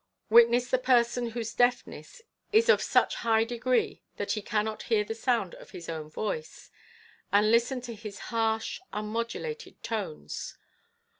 Witness the person whose deafness is of such high degree that he cannot hear the sound of his own voice, and listen to his harsh, un modulated tones.